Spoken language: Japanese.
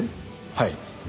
はい。